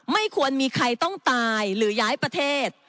ไม่ควรมีใครต้องตายหรือย้ายประเทศ